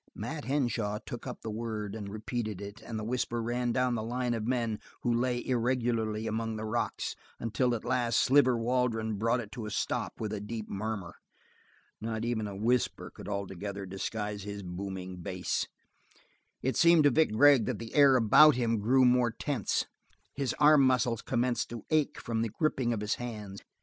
Mat Henshaw took up the word, and repeated it, and the whisper ran down the line of men who lay irregularly among the rocks, until at last Sliver Waldron brought it to a stop with a deep murmur. Not even a whisper could altogether disguise his booming bass. It seemed to Vic Gregg that the air about him grew more tense; his arm muscles commenced to ache from the gripping of his hands.